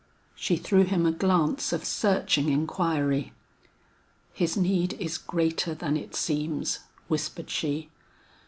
She threw him a glance of searching inquiry. "His need is greater than it seems," whispered she.